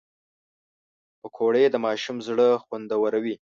پکورې د ماشوم زړه خوندوروي